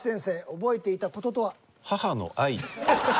覚えていた事とは？